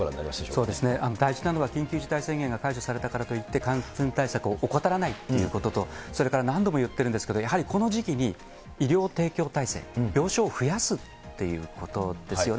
そうですね、大事なのは緊急事態宣言が解除されたからといって、感染対策を怠らないということと、それから何度も言ってるんですけど、やはりこの時期に医療提供体制、病床を増やすということですよね。